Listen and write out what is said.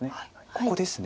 ここですね